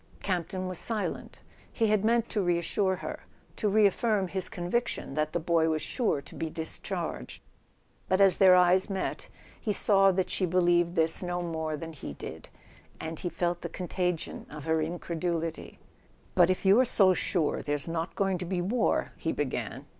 " Campton was silent. He had meant to reassure her, to reaffirm his conviction that the boy was sure to be discharged. But as their eyes met he saw that she be¬ lieved this no more than he did; and he felt the con¬ tagion of her incredulity. "But if you're so sure there's not going to be war " he began.